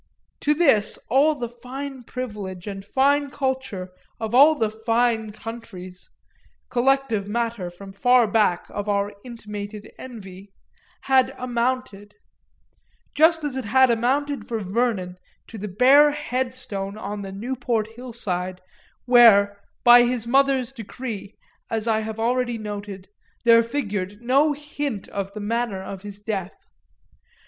To this all the fine privilege and fine culture of all the fine countries (collective matter, from far back, of our intimated envy) had "amounted"; just as it had amounted for Vernon to the bare headstone on the Newport hillside where, by his mother's decree, as I have already noted, there figured no hint of the manner of his death.